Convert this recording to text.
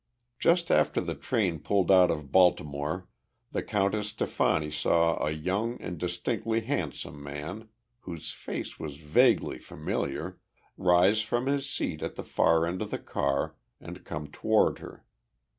Just after the train pulled out of Baltimore the Countess Stefani saw a young and distinctly handsome man, whose face was vaguely familiar, rise from his seat at the far end of the car and come toward her.